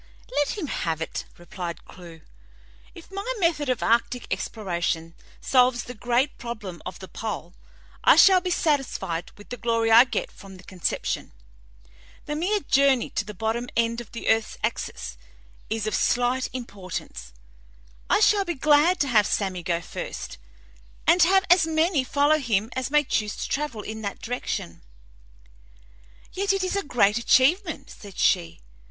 "Let him have it," replied Clewe. "If my method of arctic exploration solves the great problem of the pole, I shall be satisfied with the glory I get from the conception. The mere journey to the northern end of the earth's axis is of slight importance. I shall be glad to have Sammy go first, and have as many follow him as may choose to travel in that direction." "Yet it is a great achievement," said she.